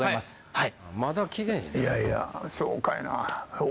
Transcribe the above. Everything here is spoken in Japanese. はい